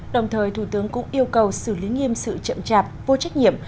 đồng thời thủ tướng cũng yêu cầu xử lý nghiêm sự chậm chạp vô trách nhiệm